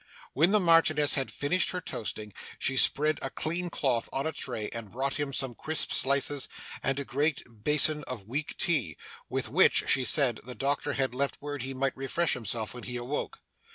When the Marchioness had finished her toasting, she spread a clean cloth on a tray, and brought him some crisp slices and a great basin of weak tea, with which (she said) the doctor had left word he might refresh himself when he awoke.